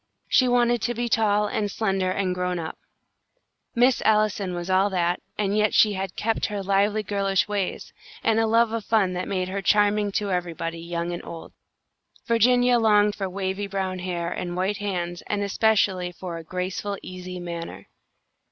She wanted to be tall, and slender, and grown up; Miss Allison was that, and yet she had kept all her lively girlish ways, and a love of fun that made her charming to everybody, young and old. Virginia longed for wavy brown hair and white hands, and especially for a graceful, easy manner.